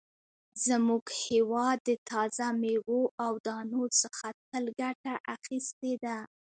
زموږ هېواد د تازه مېوو او دانو څخه تل ګټه اخیستې ده.